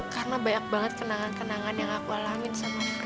karena banyak banget kenangan kenangan yang aku alamin sama frey